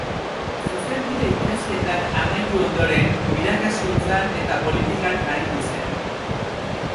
Zuzenbide ikasketak amaitu ondoren irakaskuntzan eta politikan aritu zen.